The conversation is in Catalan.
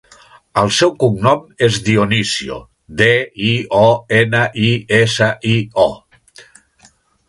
El seu cognom és Dionisio: de, i, o, ena, i, essa, i, o.